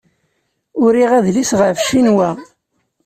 Uriɣ adlis ɣef Cinwa.